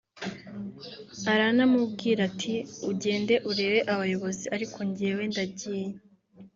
aranamubwira ati ‘ugende urebe abayobozi ariko njyewe ndagiye’